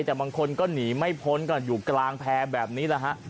แต่บางคนก็หนีไม่พ้นก็อยู่กลางแพร่แบบนี้แหละฮะ